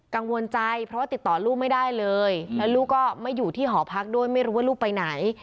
กังวลใจเพราะว่าติดต่อลูกไม่ได้เลยแล้วลูกก็ไม่อยู่ที่หอพักด้วยไม่รู้ว่าลูกไปไหน